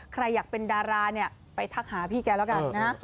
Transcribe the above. ใครอยากเป็นดาราเนี่ยไปทักหาพี่แกแล้วกันนะฮะ